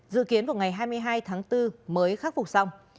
dự kiến vào ngày hai mươi hai tháng bốn mới khắc phục xong